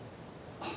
あっ！